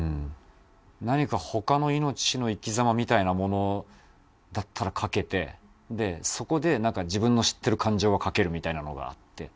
何か他の命の生き様みたいなものだったら書けてそこで自分の知ってる感情は書けるみたいなのがあって。